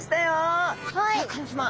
シャーク香音さま